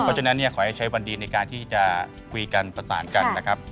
เพราะฉะนั้นเนี่ยขอให้ใช้วันดีในการที่จะคุยกันประสานกันนะครับ